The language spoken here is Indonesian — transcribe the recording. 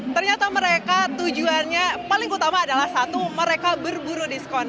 ternyata mereka tujuannya paling utama adalah satu mereka berburu diskon